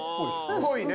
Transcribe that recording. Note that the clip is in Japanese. っぽいね。